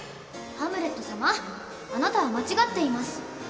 ハムレット様あなたは間違っています。